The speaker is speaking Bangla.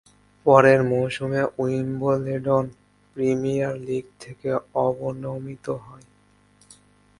পরের মৌসুমে উইম্বলেডন প্রিমিয়ার লীগ থেকে অবনমিত হয়।